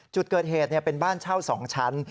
จุดเกิดเหตุเป็นบ้านเช่า๒ชั้น